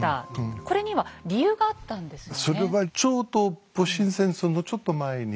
これには理由があったんですよね。